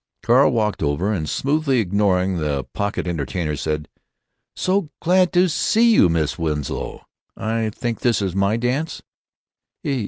Carl walked over and, smoothly ignoring the pocket entertainer, said: "So glad to see you, Miss Winslow. I think this is my dance?"